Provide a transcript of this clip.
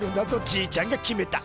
じいちゃんが決めた」